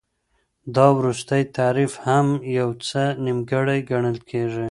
دا وروستی تعریف هم یو څه نیمګړی ګڼل کیږي.